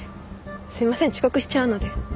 すいません遅刻しちゃうので。